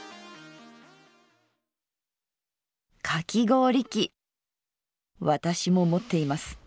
かき氷器私も持っています。